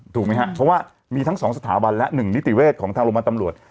ถูกไหมครับเพราะว่ามีทั้ง๒สถาบันและ๑นิติเวศของทางโรงพยาบาลตำรวจ